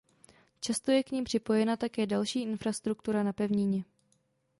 Často je k nim připojena také další infrastruktura na pevnině.